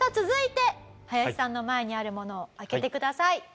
続いて林さんの前にあるものを開けてください。